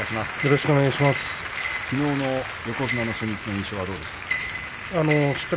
きのうの横綱の初日の印象どうでしたか。